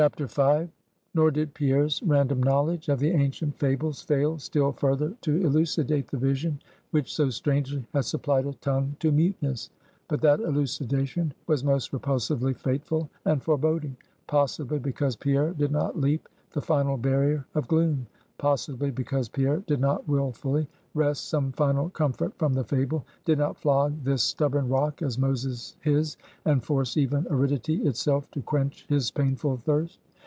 V. Nor did Pierre's random knowledge of the ancient fables fail still further to elucidate the vision which so strangely had supplied a tongue to muteness. But that elucidation was most repulsively fateful and foreboding; possibly because Pierre did not leap the final barrier of gloom; possibly because Pierre did not willfully wrest some final comfort from the fable; did not flog this stubborn rock as Moses his, and force even aridity itself to quench his painful thirst.